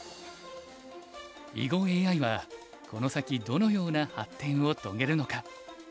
囲碁ＡＩはこの先どのような発展を遂げるのか。